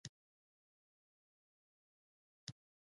د هغوی زړونه ټکیدل او لاسونه او پښې یې لړزیدې